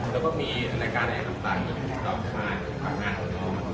เราก็มีรายการที่บอกว่าตอนนี้ขายความอ้างให้หนึ่ง